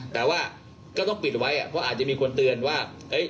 แต่ว่าก็ต้องปิดไว้เพราะอาจจะมีคนเตือนว่า